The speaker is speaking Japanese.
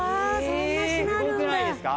すごくないですか？